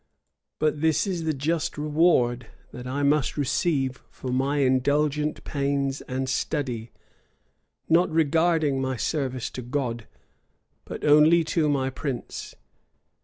But this is the just reward that I must receive for my indulgent pains and study, not regarding my service to God, but only to my prince.